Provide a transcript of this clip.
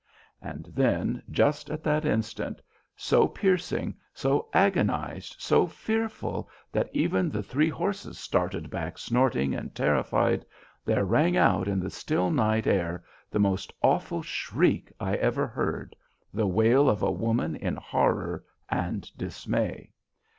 And then, just at that instant, so piercing, so agonized, so fearful that even the three horses started back snorting and terrified, there rang out on the still night air the most awful shriek I ever heard, the wail of a woman in horror and dismay.